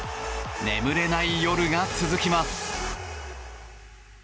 眠れない夜が続きます。